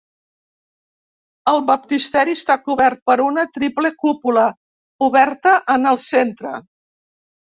El baptisteri està cobert per una triple cúpula, oberta en el centre.